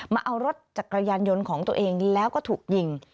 มาเอารถจักรยานยนต์ของตัวเองแล้วก็ถูกยิง